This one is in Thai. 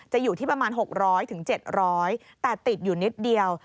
อยู่ที่ประมาณ๖๐๐๗๐๐แต่ติดอยู่นิดเดียว